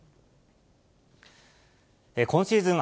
今シーズン